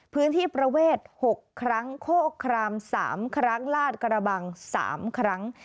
ประเวท๖ครั้งโคคราม๓ครั้งลาดกระบัง๓ครั้ง